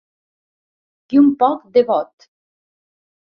I un poc de vot.